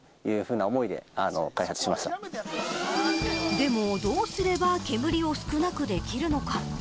でも、どうすれば煙を少なくできるのか。